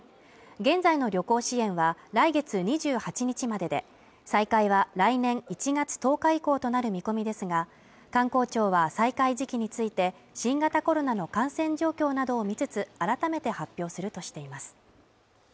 現在の旅行支援は来月２８日までで再開は来年１月１０日以降となる見込みですが観光庁は再開時期について新型コロナの感染状況などを見つつ改めて発表するとしています